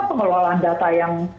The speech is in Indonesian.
pengelolaan data yang